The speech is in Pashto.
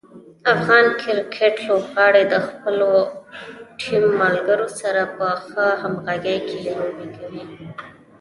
افغان کرکټ لوبغاړي د خپلو ټیم ملګرو سره په ښه همغږي کې لوبې کوي.